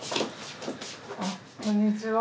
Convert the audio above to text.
あっこんにちは。